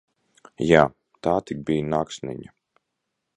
Jā, tā tik bija naksniņa!